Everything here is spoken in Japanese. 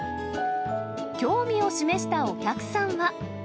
興味を示したお客さんは。